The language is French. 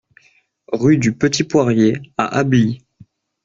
Rue du Petit Poirier à Ablis